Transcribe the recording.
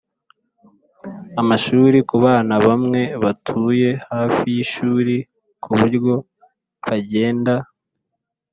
amashuri ku Abana bamwe batuye hafi y ishuri ku buryo bagenda